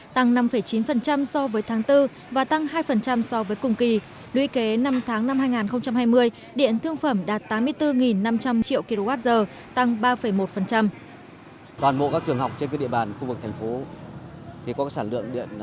tăng năm chín so với tháng bốn và tăng hai so với cục kỳ